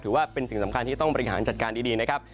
ถือว่าเป็นสิ่งสำคัญที่ต้องบริหารจัดการดีนะครับ